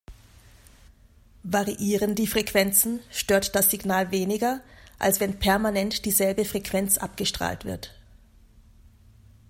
Variieren die Frequenzen, stört das Signal weniger als wenn permanent dieselbe Frequenz abgestrahlt wird.